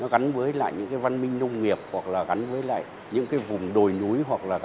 gắn với những văn minh nông nghiệp gắn với những vùng đồi núi